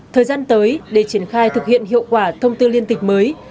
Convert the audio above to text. thời gian tới để triển khai thực hiện hiệu quả thông tư liên tịch mới